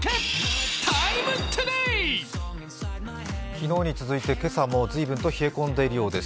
昨日に続いて今朝も随分と冷え込んでいるようです。